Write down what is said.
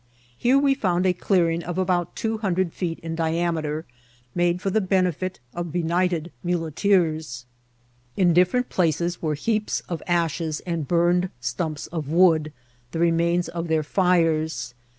Here we found a clearing of about two hundred feet in diameter, made for the benefit of be nighted muleteers ; in different places were heaps of ashes and burned stumps of wood, the remains of their fires.